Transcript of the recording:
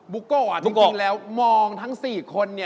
โก้จริงแล้วมองทั้ง๔คน